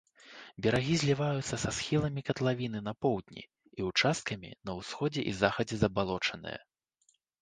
Берагі зліваюцца са схіламі катлавіны, на поўдні і ўчасткамі на ўсходзе і захадзе забалочаныя.